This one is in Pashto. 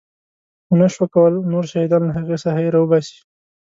ونه شول کولی نور شهیدان له هغې ساحې راوباسي.